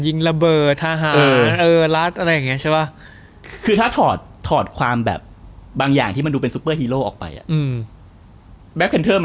เออใช่แมะเขาถอดความแบบบางอย่างที่มันดูเป็นซูเปอร์ฮีโรอออกไปอืม